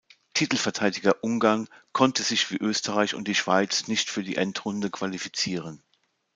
Titelverteidiger Ungarn konnte sich wie Österreich und die Schweiz nicht für die Endrunde qualifizieren.